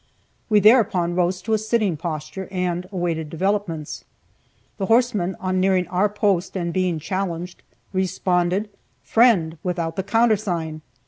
We thereupon rose to a sitting posture, and awaited developments. The horseman, on nearing our post and being challenged, responded, "Friend, without the countersign!"